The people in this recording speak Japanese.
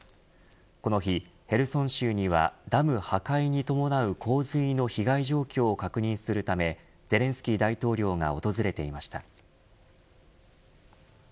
この日、ヘルソン州にはダム破壊に伴う洪水の被害状況を確認するためゼレンスキー大統領が訪れていました。